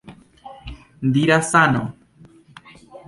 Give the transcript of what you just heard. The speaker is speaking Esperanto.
Dira Sano!